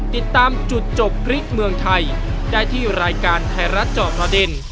ติดตามจุดจบกริ๊กเมืองไทยได้ที่รายการไทยรัฐจอบประเด็น